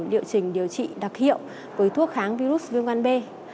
liệu trình điều trị đặc hiệu với thuốc kháng virus viêm gan b